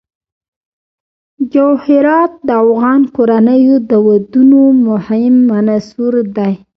جواهرات د افغان کورنیو د دودونو مهم عنصر دی.